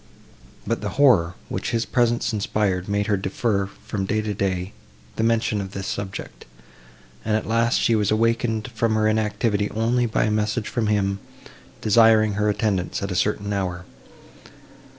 But the horror, which his presence inspired, made her defer, from day to day, the mention of this subject; and at last she was awakened from her inactivity only by a message from him, desiring her attendance at a certain hour.